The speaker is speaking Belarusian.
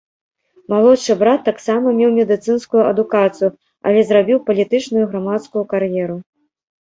Малодшы брат таксама меў медыцынскую адукацыю, але зрабіў палітычную і грамадскую кар'еру.